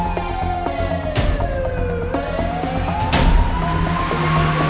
tidak ada apa